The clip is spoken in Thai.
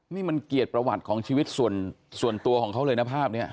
นี่มันเกียรติประวัติของชีวิตส่วนตัวของเขาเลยนะภาพนี้